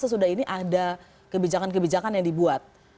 sesudah ini ada kebijakan kebijakan yang dibuat